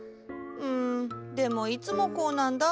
うんでもいつもこうなんだ。